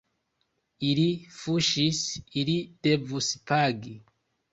Ili fuŝis, ili devus pagi.